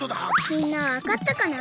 みんなはわかったかな？